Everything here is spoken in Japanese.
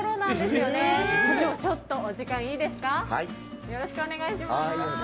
よろしくお願いします。